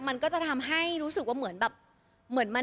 มันก็จะทำให้รู้สึกว่าเหมือนแบบ